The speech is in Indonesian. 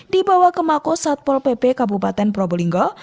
dibawa ke mako satpol pp kabupaten probolinggo